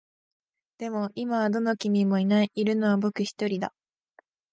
でも、今はどの君もいない。いるのは僕一人だ。